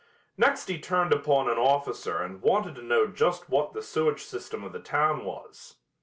Next he turned upon an officer and wanted to know just what the sewage system of the town was.